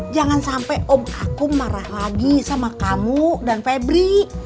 jangan sampai om aku marah lagi sama kamu dan febri